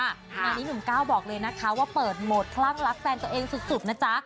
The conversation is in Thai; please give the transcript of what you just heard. งานนี้หนุ่มก้าวบอกเลยนะคะว่าเปิดโหมดคลั่งรักแฟนตัวเองสุดนะจ๊ะ